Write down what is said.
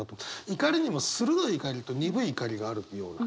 怒りにも鋭い怒りと鈍い怒りがあるような。